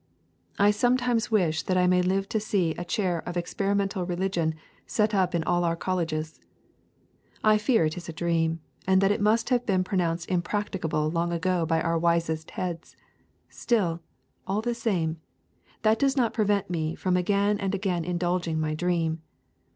I sometimes wish that I may live to see a chair of Experimental Religion set up in all our colleges. I fear it is a dream, and that it must have been pronounced impracticable long ago by our wisest heads. Still, all the same, that does not prevent me from again and again indulging my dream.